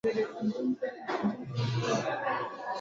na kuwakamata watu kutoka makwao